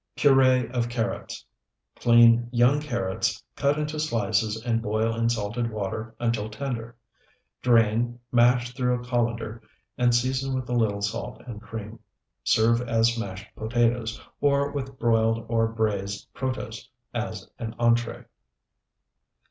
PUREE OF CARROTS Clean young carrots, cut into slices, and boil in salted water until tender. Drain, mash through a colander, and season with a little salt and cream. Serve as mashed potatoes, or with broiled or braized protose as an entree.